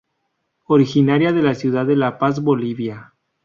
Originaria de la ciudad de La Paz, Bolivia.